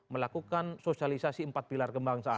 melakukan sosialisasi empat pilar kebangsaan